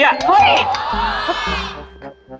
เฮ่ย